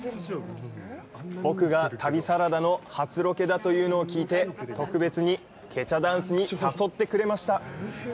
僕が旅サラダの初ロケだというのを聞いて特別にケチャダンスに誘ってくれました！